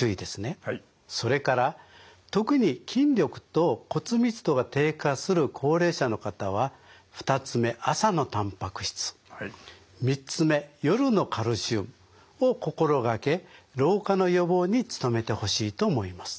それから特に筋力と骨密度が低下する高齢者の方は２つ目朝のたんぱく質３つ目夜のカルシウムを心掛け老化の予防に努めてほしいと思います。